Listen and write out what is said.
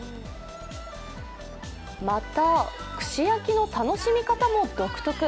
また串焼きの楽しみ方も独特。